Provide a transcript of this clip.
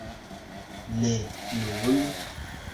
Ne nun.